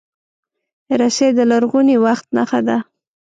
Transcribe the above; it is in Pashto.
رسۍ د لرغوني وخت نښه ده.